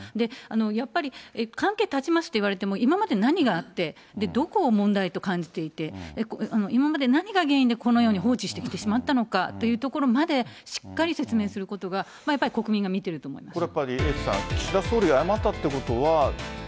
やっぱり、関係断ちますって言われても、今まで何があって、どこを問題と感じていて、今まで何が原因でこのように放置してきてしまったのかというところまでしっかり説明することが、やっぱり国民は見てると思います。